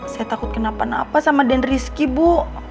saya takut kenapa napa sama dendry risky bu